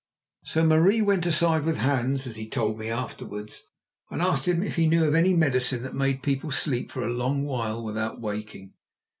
So Marie went aside with Hans, as he told me afterwards, and asked him if he knew of any medicine that made people sleep for a long while without waking.